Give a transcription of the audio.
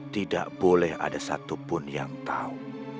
tidak boleh ada satupun yang tahu